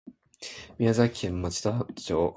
宮城県村田町